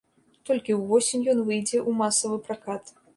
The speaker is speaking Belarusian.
Толькі ўвосень ён выйдзе ў масавы пракат.